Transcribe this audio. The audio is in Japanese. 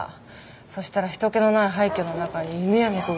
そしたら人けのない廃虚の中に犬や猫がいっぱいいたわけ。